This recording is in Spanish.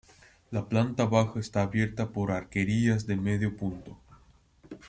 La planta baja está abierta por arquerías de medio punto.